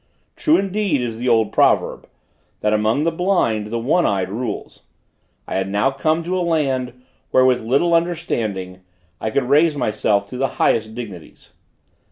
True, indeed, is the old proverb; that among the blind the one eyed rules. I had now come to a land, where with little understanding, I could raise myself to the highest dignities.